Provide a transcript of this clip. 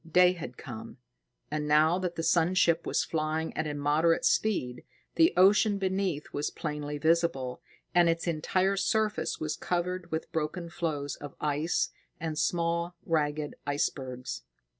Day had come, and now that the sun ship was flying at a moderate speed, the ocean beneath was plainly visible; and its entire surface was covered with broken floes of ice and small, ragged icebergs.